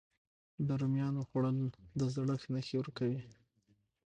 د رومیانو خووړل د زړښت نښې ورو کوي.